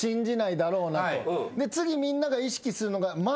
次みんなが意識するのが万円台。